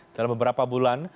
dalam beberapa bulan